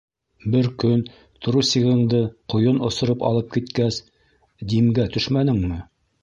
Бер көн трусигыңды ҡойон осороп алып киткәс, Димгә төшмәнеңме?